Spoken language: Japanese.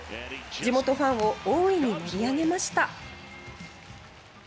地元ファンを大いに盛り上げました。